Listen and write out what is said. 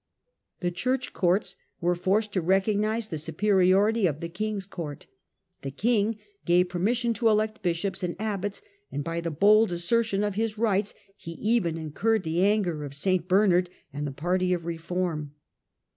The Church courts were forced to recognize the superiority of the king's court; the king gave permission to elect bishops and abbots, and by the bold assertion of his rights he even incurred the anger of St Bernard and the party of reform.